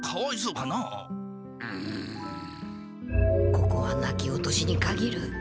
ここはなき落としにかぎる。